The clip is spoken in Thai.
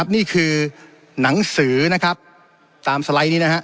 นี่คือหนังสือตามสไลด์นี้